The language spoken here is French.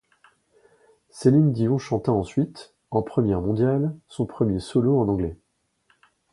Céline Dion chanta ensuite, en première mondiale, son premier single solo en anglais, '.